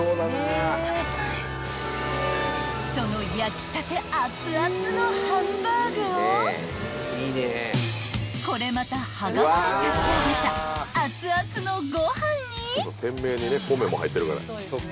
［その焼きたてあつあつのハンバーグをこれまた羽釜で炊き上げたあつあつのご飯に］